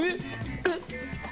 えっ？